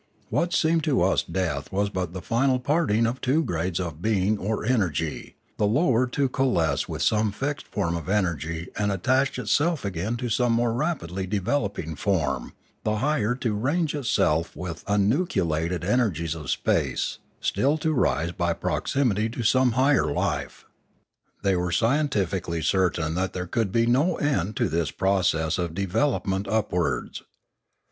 What seemed to us death was but the final parting of two grades of being or energy, the lower to coalesce with some fixed form of energy and attach itself again to some more rapidly developing form, the higher to range itself with the unnucleated energies of space, still to rise by proximity to some higher life. They were scientifically certain that there could be no end to this process of development upwards.